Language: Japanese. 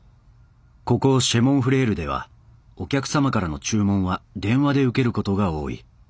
ここシェ・モン・フレールではお客様からの注文は電話で受けることが多い。